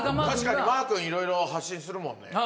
確かにマー君いろいろ発信するもんね。